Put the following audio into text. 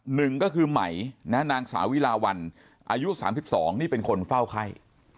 หนึ่งก็คือไหมนางสาวิลาวันอายุ๓๒นี่เป็นคนเฝ้าไข้